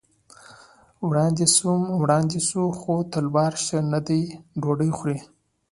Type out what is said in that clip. وړاندې ځو، خو تلوار ښه نه دی، ډوډۍ خورئ.